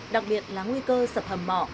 đặc biệt là nguy cơ sập hầm mỏ